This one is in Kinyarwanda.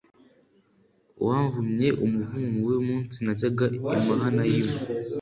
wamvumye umuvumo mubi umunsi najyaga i Mahanayimu